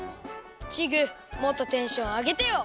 チグもっとテンションあげてよ。